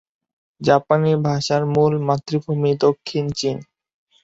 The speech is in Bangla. জাপানি ভাষার মূল মাতৃভূমি দক্ষিণ চীন।